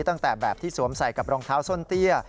ตั้งแต่แบบที่สวมใส่กับรองเท้าส้นเตี้ย